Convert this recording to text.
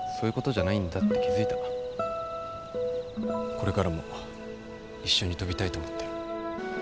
これからも一緒に飛びたいと思ってる。